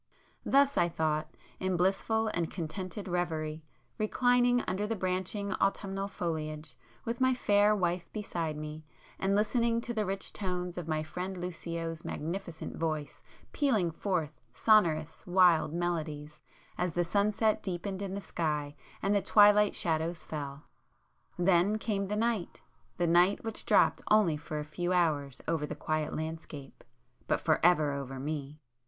Thus I thought, in blissful and contented reverie, reclining under the branching autumnal foliage, with my fair wife beside me, and listening to the rich tones of my friend Lucio's magnificent voice pealing forth sonorous, wild melodies, as the sunset deepened in the sky and the twilight shadows fell. Then came the night—the night which dropped only for a few hours over the quiet landscape, but for ever over me!